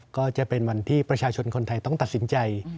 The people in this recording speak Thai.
ก็จะเป็นวันที่ประชาชนคนไทยต้องตัดสินใจ